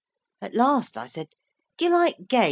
At last I said, 'Do you like games?'